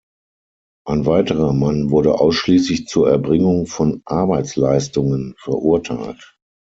Ein weiterer Mann wurde ausschließlich zur Erbringung von Arbeitsleistungen verurteilt.